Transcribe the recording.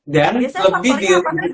dan lebih di